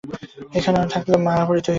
এখানে থাকলে মারা পড়তে হবে।